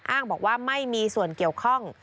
อ้างบอกว่าไม่มีส่วนเกี่ยวข้อง